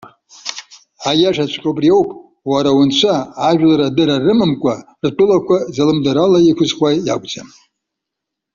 Аиашаҵәҟьа убри ауп, уара унцәа, ажәлар адырра рымамкәа, ртәылақәа залымдарала иқәызхуа иакәӡам.